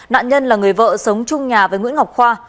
nạn nhân là người vợ sống chung nhà với nguyễn ngọc khoa